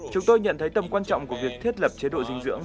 chúng tôi nhận thấy tầm quan trọng của việc thiết lập chế độ dinh dưỡng